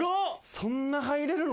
そんな入れるの？